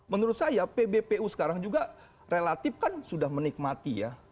menurut saya pbpu sekarang juga relatif kan sudah menikmati ya